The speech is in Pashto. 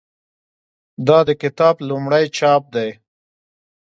دا د کتاب لومړی چاپ دی.